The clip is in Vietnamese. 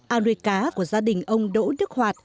ao nuôi cá của gia đình ông đỗ đức hoạt